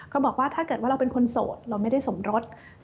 เขาบอกว่าถ้าเกิดว่าเราเป็นคนโสดเราไม่ได้สมรส